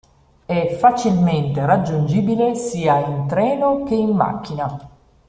È facilmente raggiungibile sia in treno che in macchina.